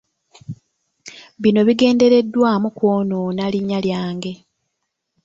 Bino bigendereddwamu kwonoona linnya lyange.